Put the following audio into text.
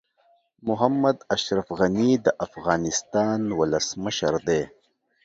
محمد اشرف غني د افغانستان ولسمشر دي.